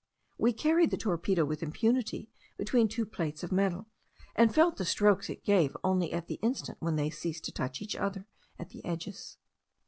We carried the torpedo with impunity between two plates of metal, and felt the strokes it gave only at the instant when they ceased to touch each other at the edges.